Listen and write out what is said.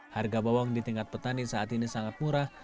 harga bawang di tingkat petani saat ini sangat murah